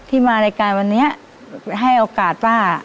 มารายการวันนี้ให้โอกาสป้า